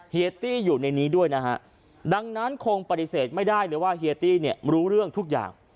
เฮี้อยู่ในนี้ด้วยนะฮะดังนั้นคงปฏิเสธไม่ได้เลยว่าเฮียตี้เนี่ยรู้เรื่องทุกอย่าง